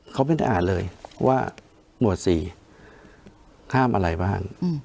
เขาไม่ได้อ่านเลยว่าหมวด๔ข้ามอะไรบ้าง